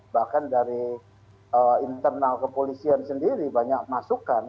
bahkan dari internal kepolisian sendiri banyak masukan